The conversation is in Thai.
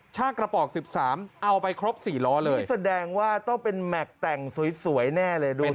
ชากระปอกสิบสามเอาไปครบสี่ล้อเลยนี่แสดงว่าต้องเป็นแม็กซ์แต่งสวยสวยแน่เลย